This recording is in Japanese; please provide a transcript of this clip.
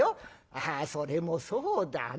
「ああそれもそうだね。